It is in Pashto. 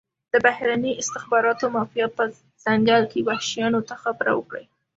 د بهرني استخباراتي مافیا په ځنګل کې وحشیانو ته خبره وکړي.